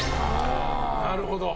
なるほど。